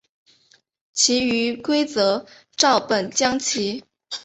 其余规则照本将棋。